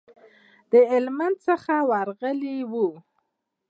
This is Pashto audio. د هلمند څخه ورغلي وو.